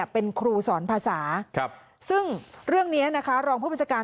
เป็นครูสอนภาษาซึ่งเรื่องนี้นะคะรองผู้บัญชาการ